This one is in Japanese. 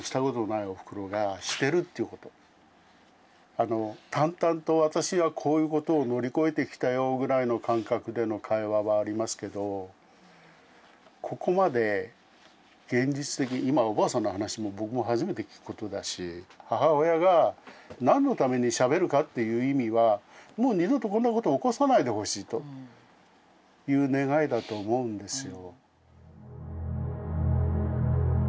あの淡々と私はこういうことを乗り越えてきたよぐらいの感覚での会話はありますけどここまで現実的今おばあさんの話も僕も初めて聞くことだし母親が何のためにしゃべるかっていう意味はもう二度とこんなことを起こさないでほしいという願いだと思うんですよ。